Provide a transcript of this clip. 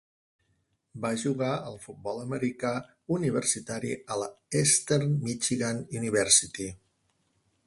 Va jugar al futbol americà universitari a la Eastern Michigan University.